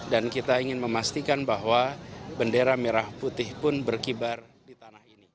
dan kita ingin memastikan bahwa bendera merah putih pun berkibar di tanah ini